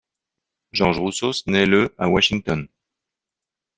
George Roussos naît le à Washington.